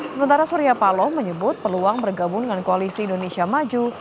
sementara surya paloh menyebut peluang bergabung dengan koalisi indonesia maju